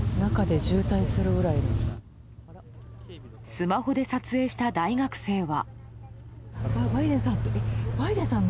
スマホで撮影した大学生は。